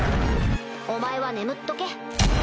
お前は眠っとけ。